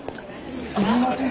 すいません。